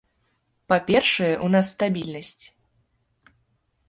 Па-першае, у нас стабільнасць.